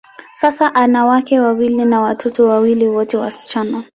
Sasa, ana wake wawili na watoto wawili, wote wasichana.